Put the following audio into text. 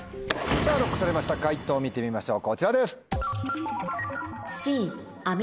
さぁＬＯＣＫされました解答を見てみましょうこちらです。